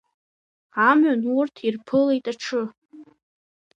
Амҩан урҭ ирԥылеит аҽы.